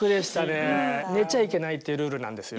寝ちゃいけないというルールなんですよ。